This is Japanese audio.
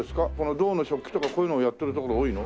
銅の食器とかこういうのをやってるところ多いの？